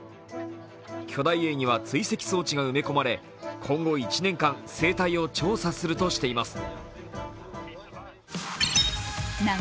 巨大エイには追跡装置が埋め込まれ今後１年間、生態を調査するとしています。